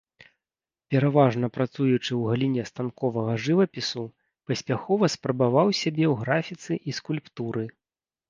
Пераважна працуючы ў галіне станковага жывапісу, паспяхова спрабаваў сябе ў графіцы і скульптуры.